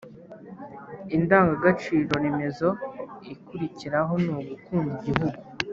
indangagaciro remezo ikurikiraho ni «ugukunda igihugu»